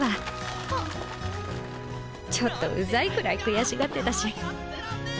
ちょっとウザイくらい悔しがってたし。